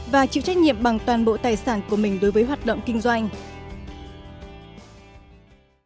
và chịu trách nhiệm bằng toàn bộ tài sản của mình đối với hoạt động kinh doanh